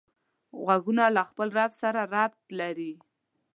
غوږونه له خپل رب سره رابط لري